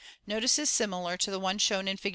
Notices similar to the one shown in Fig.